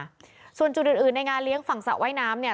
ส่วนจุดอื่นอื่นในงานเลี้ยงฝั่งสระว่ายน้ำเนี่ย